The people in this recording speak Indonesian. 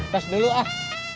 kas dulu ah